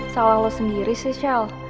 salah lo sendiri sih shell